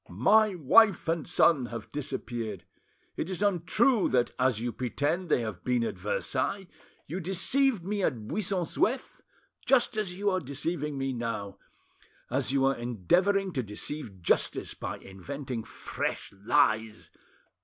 My wife and son have disappeared. It is untrue that, as you pretend, they have been at Versailles. You deceived me at Buisson Souef, just as you are deceiving me now, as you are endeavouring to deceive justice by inventing fresh lies.